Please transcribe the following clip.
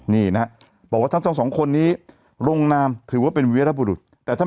นี่นะลงนามถือว่าเป็นเวรบุรุษ